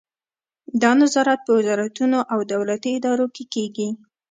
دا نظارت په وزارتونو او دولتي ادارو کې کیږي.